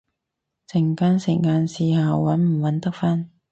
陣間食晏試下搵唔搵得返